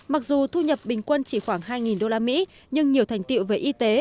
mặc dù thu nhập bình quân chỉ khoảng hai usd nhưng nhiều thành tiệu về y tế